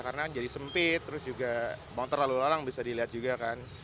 karena jadi sempit terus juga motor lalu lalang bisa dilihat juga kan